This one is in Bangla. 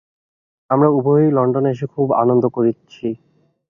আমরা উভয়েই লণ্ডনে এসে খুব আনন্দ করেছি।